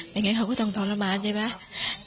อย่างนั้นเขาก็ต้องทรมานใช่ไหม